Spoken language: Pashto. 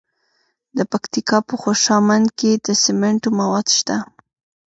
د پکتیکا په خوشامند کې د سمنټو مواد شته.